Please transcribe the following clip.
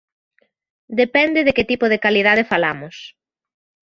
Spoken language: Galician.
Depende de que tipo de calidade falamos.